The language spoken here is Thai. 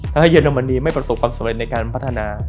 ถ้าให้เยอรมนีไม่ประสบความสำเร็จในการพัฒนา